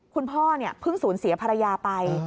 คุณพ่อเพิ่งสูญเสียภรรยาไป